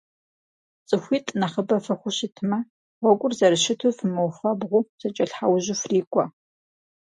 Цӏыхуитӏ нэхъыбэ фыхъуу щытмэ, гъуэгур зэрыщыту фымыуфэбгъуу, зэкӏэлъхьэужьу фрикӏуэ.